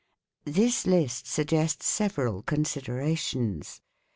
This list suggests several considerations.